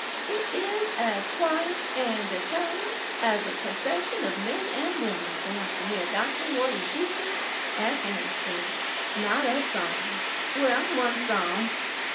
It is as quiet and determined as a procession of men and women going to hear Dr Horton preaching at Hampstead. Not a song well, one song.